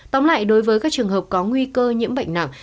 tóm lại đối với các trường hợp có nguy cơ nhiễm bệnh nặng